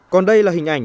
còn đây là hình ảnh